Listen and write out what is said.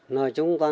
nói chung toàn bộ